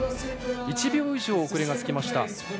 １秒以上遅れがつきました。